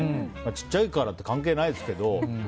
小さいからって関係ないですけど。